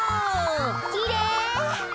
きれい！